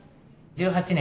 １８年